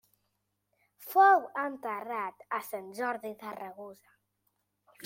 Fou enterrat a Sant Jordi de Ragusa.